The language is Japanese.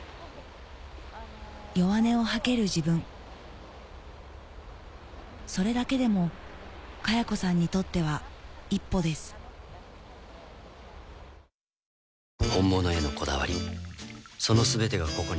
弱音を吐ける自分それだけでもかや子さんにとっては一歩ですせの！